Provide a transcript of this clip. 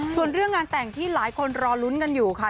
ส่วนเรื่องงานแต่งที่หลายคนรอลุ้นกันอยู่ค่ะ